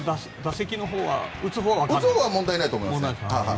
打つほうは問題ないと思います。